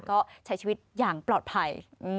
ก็ใช้ชีวิตอย่างปลอดภัย